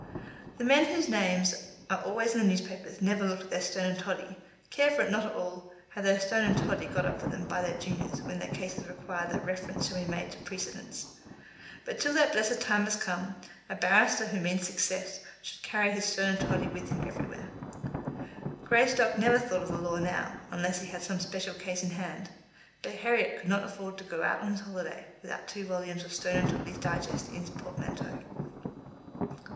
The men whose names are always in the newspapers never look at their Stone and Toddy, care for it not at all, have their Stone and Toddy got up for them by their juniors when cases require that reference shall be made to precedents. But till that blessed time has come, a barrister who means success should carry his Stone and Toddy with him everywhere. Greystock never thought of the law now, unless he had some special case in hand; but Herriot could not afford to go out on his holiday without two volumes of Stone and Toddy's Digest in his portmanteau.